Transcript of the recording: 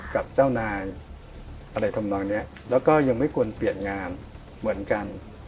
กับเจ้านายอะไรทำนองนี้แล้วก็ยังไม่ควรเปลี่ยนงานเหมือนกัน